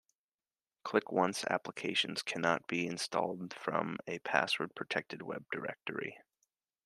ClickOnce applications cannot be installed from a password-protected Web directory.